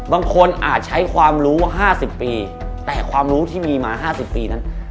บางคนอาจใช้ความรู้๕๐ปีแต่ความรู้ที่มีมา๕๐ปีนั้น